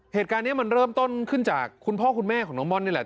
เหตุการณ์นี้มันเริ่มต้นขึ้นจากคุณพ่อคุณแม่ของน้องม่อนนี่แหละ